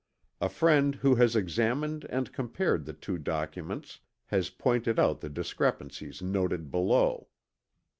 A friend who has examined and compared the two documents has pointed out the discrepancies noted below."